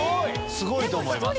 すごいと思います。